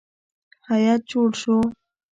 هیات جوړ شو.